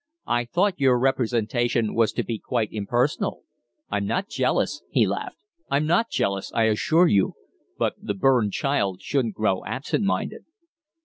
I thought your representation was to be quite impersonal? I'm not jealous," he laughed. "I'm not jealous, I assure you; but the burned child shouldn't grow absentminded."